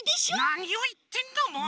なにをいってんだもう！